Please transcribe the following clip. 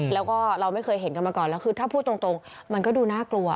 แล้วก็เราไม่เคยเห็นกันมาก่อนแล้วคือถ้าพูดตรงมันก็ดูน่ากลัว